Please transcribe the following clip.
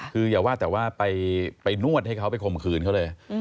คืออย่าว่าแต่ว่าไปนวดให้เขาไปข่มขืนเขาเลย